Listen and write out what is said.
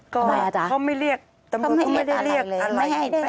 ก็ไม่เขาไม่เรียกตำรวจเขาไม่ได้เรียกอะไรให้